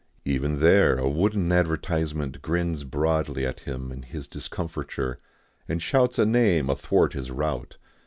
Even there a wooden advertisement grins broadly at him in his discomfiture, and shouts a name athwart his route.